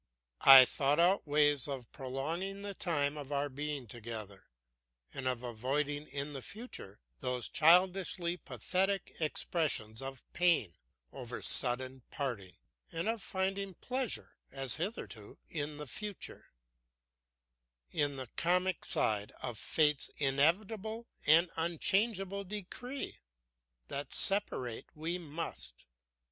I thought out ways of prolonging the time of our being together and of avoiding in the future those childishly pathetic expressions of pain over sudden parting, and of finding pleasure, as hitherto, in the comic side of Fate's inevitable and unchangeable decree that separate we must.